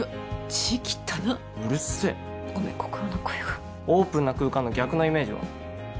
字きったなうるせえごめん心の声がオープンな空間の逆のイメージは？